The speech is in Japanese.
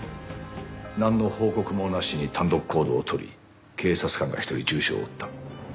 なんの報告もなしに単独行動をとり警察官が１人重傷を負った。